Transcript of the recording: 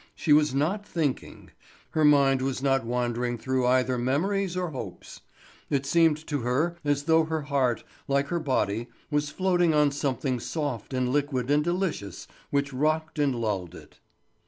She was not thinking; her mind was not wandering through either memories or hopes; it seemed to her as though her heart, like her body, was floating on something soft and liquid and delicious which rocked and lulled it.